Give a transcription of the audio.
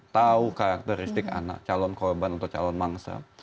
tahu karakteristik anak calon korban atau calon mangsa